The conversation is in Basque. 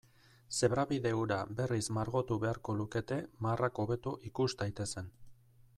Zebrabide hura berriz margotu beharko lukete marrak hobeto ikus daitezen.